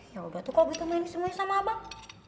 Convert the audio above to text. yaudah tuh kok begitu mainin semuanya sama abang